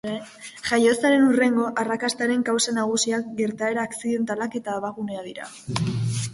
Jaiotzaren hurrengo, arrakastaren kausa nagusia gertaera akzidentalak eta abagunea dira.